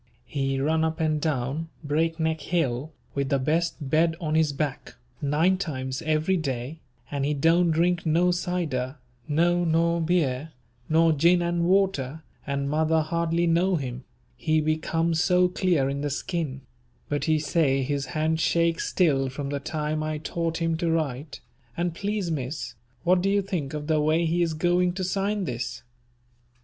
He run up and down Breakneck hill, with the best bed on his back, nine times every day, and he don't drink no cider, no nor beer, nor gin and water, and mother hardly know him, he be come so clear in the skin; but he say his hand shake still from the time I taught him to write, and please, Miss, what do you think of the way he is going to sign this?